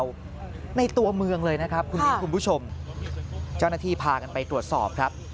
เชิงเซาในตัวเมืองเลยนะครับคุณผู้ชมเจ้าหน้าที่พากันไปตรวจสอบครับ